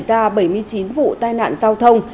toàn quốc xảy ra bảy mươi chín vụ tai nạn giao thông